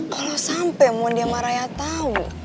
kalau sampe mondi sama raya tau